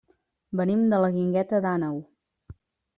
Venim de la Guingueta d'Àneu.